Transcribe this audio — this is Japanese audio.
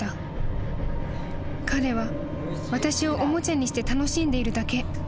［彼は私をおもちゃにして楽しんでいるだけ］